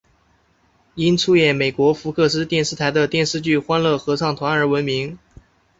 因出演美国福克斯电视台的电视剧欢乐合唱团而闻名。